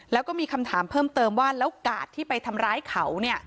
แล้วก็มีคำถามเพิ่มเติมว่าแล้วกาดที่ไปทำร้ายเขา